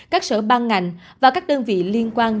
các sở ban ngành và các đơn vị liên quan